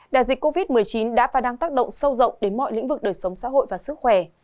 đại dịch covid một mươi chín đã và đang tác động sâu rộng đến mọi lĩnh vực đời sống xã hội và sức khỏe